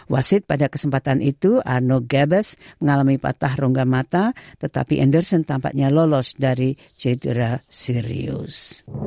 wasit pada kesempatan itu ano gabes mengalami patah rongga mata tetapi endorsen tampaknya lolos dari cedera serius